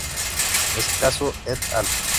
Escaso "et al.